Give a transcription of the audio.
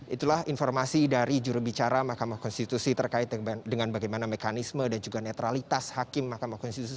itulah informasi dari jurubicara mahkamah konstitusi terkait dengan bagaimana mekanisme dan juga netralitas hakim mahkamah konstitusi